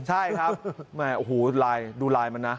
ใช่ครับโอ้โหดูไลน์มันนะ